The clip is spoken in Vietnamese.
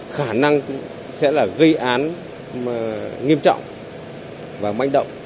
khả năng sẽ là gây án nghiêm trọng và manh động